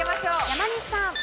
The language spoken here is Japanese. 山西さん。